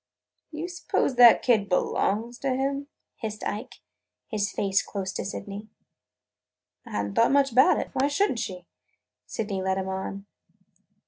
"D' you suppose that kid belongs to him?" hissed Ike, his face close to Sydney's. "I had n't thought much about it. Why should n't she?" Sydney led him on.